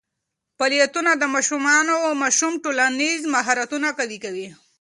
فعالیتونه د ماشوم ټولنیز مهارتونه قوي کوي.